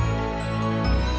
aku ingin menemukan kamu